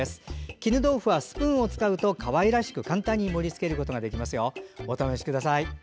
絹豆腐はスプーンを使うとかわいらしく簡単に盛りつけることができますよ。